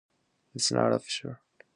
'It's not official.